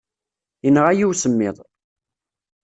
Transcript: Inɣa-yi usemmiḍ.